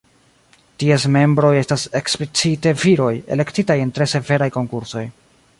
Ties membroj estas eksplicite viroj, elektitaj en tre severaj konkursoj.